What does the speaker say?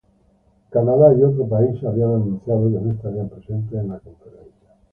Israel y Canadá habían anunciado que no estarían presentes en la conferencia.